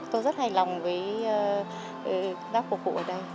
tôi rất hài lòng với bác phục vụ ở đây